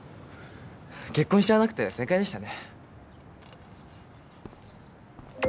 結婚しちゃわなくて正解でしたね。